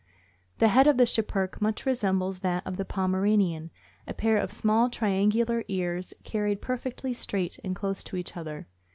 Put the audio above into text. The head of the Schipperke much resembles that of the Pomeranian, a pair of small triangular ears carried perfectly straight and close to each other.